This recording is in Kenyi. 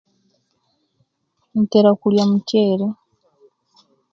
Ntere kulia mutyere